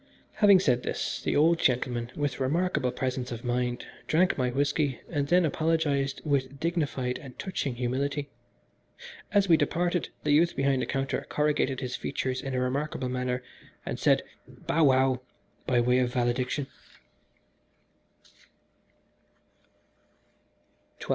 Having said this, the old gentleman, with remarkable presence of mind, drank my whisky, and then apologised with dignified and touching humility. As we departed the youth behind the counter corrugated his features in a remarkable manner, and said, "bow wow" by way of valediction.